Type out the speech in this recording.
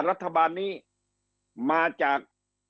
รัฐบาลนี้มาจาก